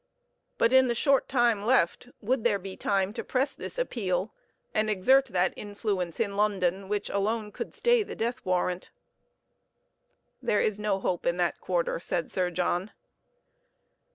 But in the short time left, would there be time to press this appeal, and exert that influence in London which alone could stay the death warrant? "There is no hope in that quarter," said Sir John.